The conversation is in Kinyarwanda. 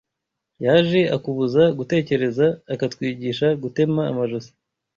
Yaje akubuza gutekereza Akatwigisha gutema amajosi